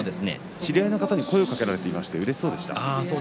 知り合いの方に声をかけられてうれしそうでした。